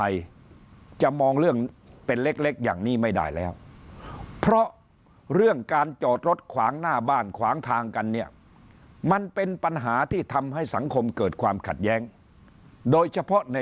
จะมองเรื่องเป็นเล็กอย่างนี้ไม่ได้แล้วเพราะเรื่องการจอดรถขวางหน้าบ้านขวางทางกันเนี่ยมันเป็นปัญหาที่ทำให้สังคมเกิดความขัดแย้งโดยเฉพาะใน